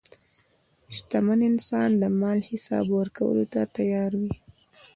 شتمن انسان د مال حساب ورکولو ته تیار وي.